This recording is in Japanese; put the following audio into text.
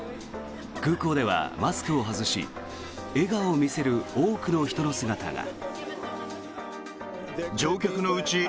空港ではマスクを外し笑顔を見せる多くの人の姿が。